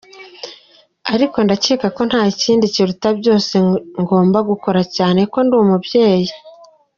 Ariko ndakeka ko nta kindi kiruta byose ngomba gukora, cyane ko ndi umubyeyi.